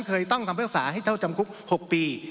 เคยต้องทำภาษาให้เจ้าจำกุ๊ก๖ปี